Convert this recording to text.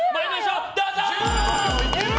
どうぞ。